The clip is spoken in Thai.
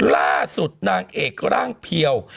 ล่าสุดนางเอกร่างเพียว